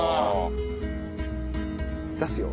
出すよ？